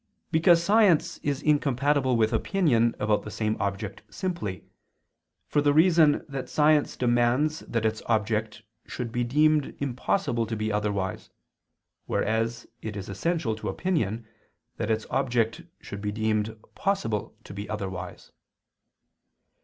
Because science is incompatible with opinion about the same object simply, for the reason that science demands that its object should be deemed impossible to be otherwise, whereas it is essential to opinion, that its object should be deemed possible to be otherwise.